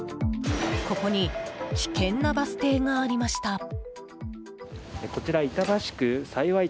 ここに危険なバス停がありました。